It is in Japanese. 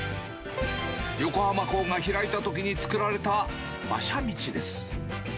横浜港が開いたときに作られた馬車道です。